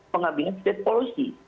pengambilan state policy